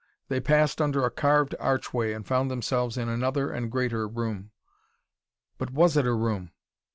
They passed under a carved archway and found themselves in another and greater room. But was it a room?